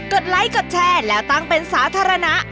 ไลค์กดแชร์แล้วตั้งเป็นสาธารณะ